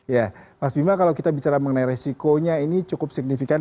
ya mas bima kalau kita bicara mengenai resikonya ini cukup signifikan